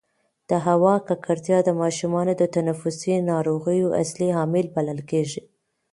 د هوا ککړتیا د ماشومانو د تنفسي ناروغیو اصلي عامل بلل کېږي.